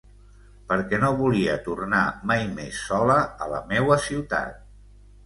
Perquè no volia tornar mai més sola a la meua ciutat.